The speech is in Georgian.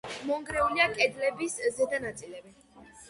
მონგრეულია კედლების ზედა ნაწილები.